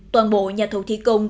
toàn bộ nhà thầu thi công